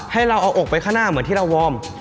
ให้เราเอาอกไปข้างหน้าเหมือนที่เราวอร์ม